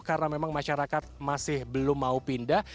karena memang masyarakat masih belum mau pindah